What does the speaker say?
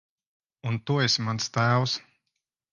Un tu esi mans tēvs.